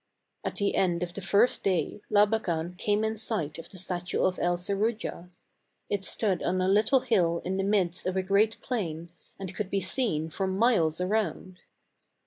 At the end of the first day Labakan came in sight of the statue of El Serujah. It stood on a little hill in the midst of a great plain and could be seen for miles around.